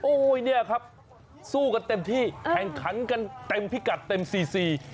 โอ้โหเนี่ยครับสู้กันเต็มที่แข่งขันกันเต็มพิกัดเต็มซีซี